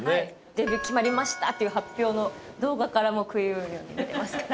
デビュー決まりました！っていう発表の動画からもう食い入るように見てますから。